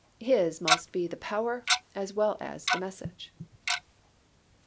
His must be the power as well as the message.